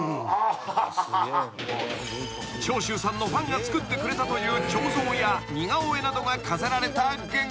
［長州さんのファンが作ってくれたという彫像や似顔絵などが飾られた玄関］